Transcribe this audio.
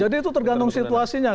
jadi itu tergantung situasinya